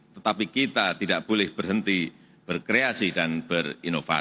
tetapi kita tidak boleh kehilangan bersatuan dan persaudaraan